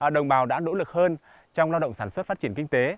đồng bào đã nỗ lực hơn trong lao động sản xuất phát triển kinh tế